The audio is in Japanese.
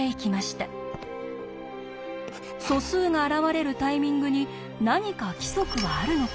素数が現れるタイミングに何か規則はあるのか？